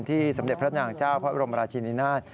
สมเด็จพระนางเจ้าพระบรมราชินินาศ